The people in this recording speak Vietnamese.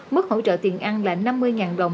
mức hỗ trợ tiền ăn là năm mươi đồng